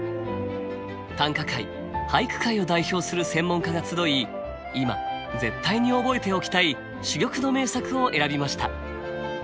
短歌界俳句界を代表する専門家が集い今絶対に覚えておきたい珠玉の名作を選びました。